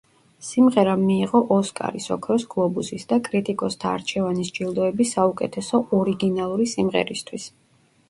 სიმღერამ მიიღო ოსკარის, ოქროს გლობუსის და კრიტიკოსთა არჩევანის ჯილდოები საუკეთესო ორიგინალური სიმღერისთვის.